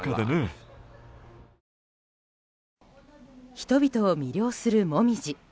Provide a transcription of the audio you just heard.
人々を魅了するモミジ。